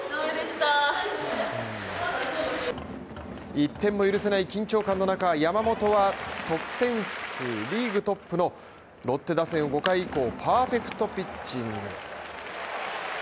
１点も許さない緊張感のなか山本は得点数リーグトップのロッテ打線を５回以降パーフェクトピッチング。